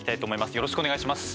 よろしくお願いします。